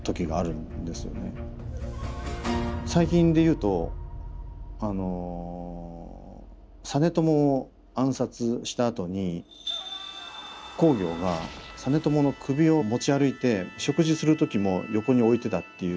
最近で言うとあの実朝を暗殺したあとに公暁が実朝の首を持ち歩いて食事する時も横に置いてたっていう。